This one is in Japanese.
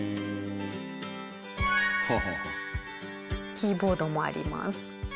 キーボードもあります。